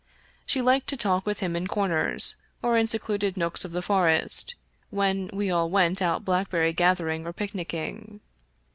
She liked to talk with him in corners, or in secluded nooks of the forest, when we all went out blackberry gathering or picnicking.